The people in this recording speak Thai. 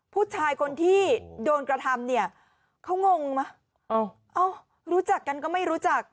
ผู้ชายคนที่โดนกระทำเนี่ยเขางงไหมเอ้ารู้จักกันก็ไม่รู้จัก